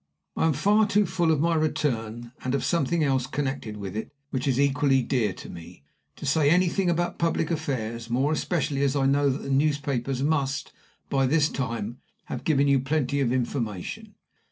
"I am far too full of my return, and of something else connected with it which is equally dear to me, to say anything about public affairs, more especially as I know that the newspapers must, by this time, have given you plenty of information.